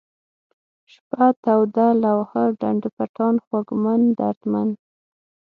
شپه ، توده ، لوحه ، ډنډ پټان ، خوږمن ، دردمن